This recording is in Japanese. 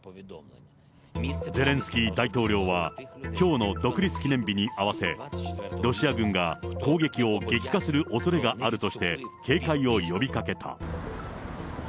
ゼレンスキー大統領は、きょうの独立記念日に合わせ、ロシア軍が攻撃を激化するおそれがあるとして、警戒を呼びかけた。